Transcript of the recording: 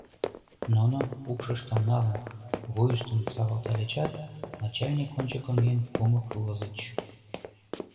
Нуно, упшыштым налын, вуйыштым савалтальычат, начальник ончыко миен, кумык возыч.